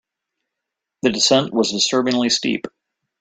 The descent was disturbingly steep.